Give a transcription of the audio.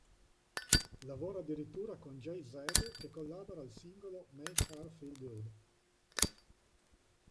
Lavora addirittura con Jay-Z che collabora al singolo "Make Her Feel Good".